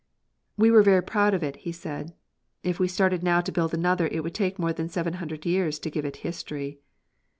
"We were very proud of it," he said. "If we started now to build another it would take more than seven hundred years to give it history."